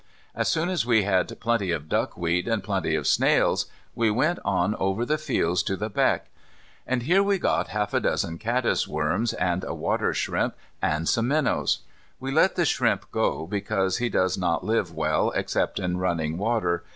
As soon as we had plenty of duckweed and plenty of snails, we went on over the fields to the beck. And here we got half a dozen caddisworms and a water shrimp, and some minnows. We let the shrimp go, because he does not live well except in running water.